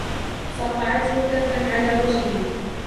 صفعته كفاً على وجهه.